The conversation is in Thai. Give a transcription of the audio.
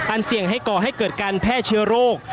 อันเสี่ยงก่าวให้เกิดการแพทย์เชื้อโรค